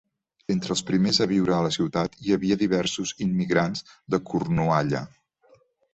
Entre els primers a viure a la ciutat hi havia diversos immigrants de Cornualla.